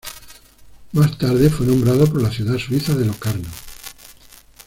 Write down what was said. Más tarde fue nombrado por la ciudad suiza de Locarno.